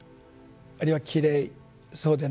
あるいはきれいそうでない。